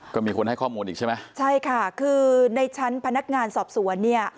ก็มีคนให้ข้อมูลอีกใช่ไหมใช่ค่ะคือในชั้นพนักงานสอบสวนเนี่ย